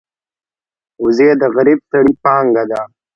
وزې د غریب سړي پانګه ده